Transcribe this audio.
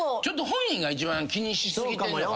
ちょっと本人が一番気にし過ぎてんのかも。